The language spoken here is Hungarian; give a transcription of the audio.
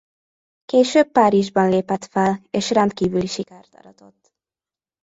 Később Párizsban lépett fel és rendkívüli sikert aratott.